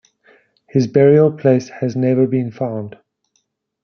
His burial place has never been found.